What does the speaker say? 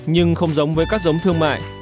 nhưng không giống với các giống thương mại